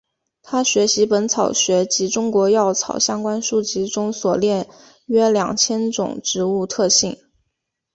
他学习本草学及中国药草相关书籍中所列约两千种植物特性。